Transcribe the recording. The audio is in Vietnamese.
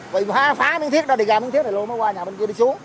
bị phá miếng thiết đó đi ra miếng thiết này luôn mới qua nhà bên kia đi xuống